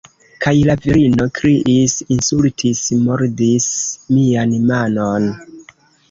Kaj la virino kriis, insultis, mordis mian manon.